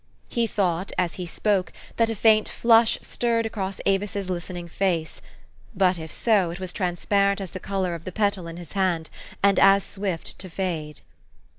He thought, as he spoke, that a faint flush stirred across A vis's listening face ; but, if so, it was transparent as the color of the petal in his hand, and as swift to fade.